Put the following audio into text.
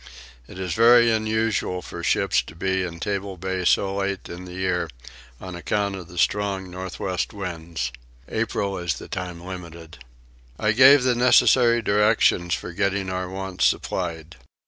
It is very unusual for ships to be in Table Bay so late in the year, on account of the strong north west winds. April is the time limited. I gave the necessary directions for getting our wants supplied.